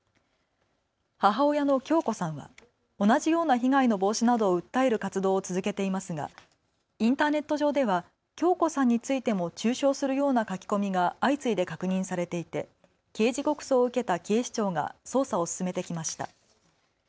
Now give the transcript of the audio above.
母親の響子さんは同じような被害の防止などを訴える活動を続けていますがインターネット上では響子さんについても中傷するような書き込みが相次いで確認されていて刑事告訴を受けた警視庁が捜査を進めてきました。